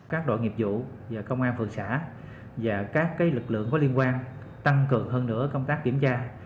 các đội nghiệp vụ công an phường xã và các lực lượng có liên quan tăng cường hơn nữa công tác kiểm tra